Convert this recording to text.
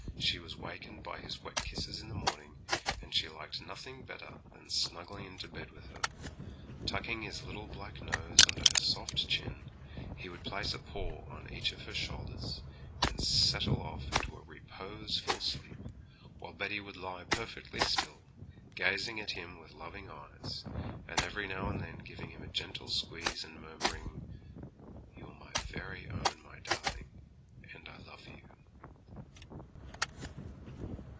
She was wakened by his wet kisses in the morning, and he liked nothing better than snuggling into bed with her. Tucking his little black nose under her soft chin, he would place a paw on each of her shoulders, and settle off into a reposeful sleep; whilst Betty would lie perfectly still, gazing at him with loving eyes, and every now and then giving him a gentle squeeze and murmuring, 'You're my very own, my darling, and I love you.'